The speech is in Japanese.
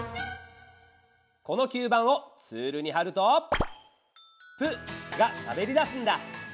この吸盤をツールに貼ると「プ」がしゃべりだすんだ。